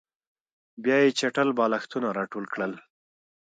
بیا یې چټل بالښتونه راټول کړل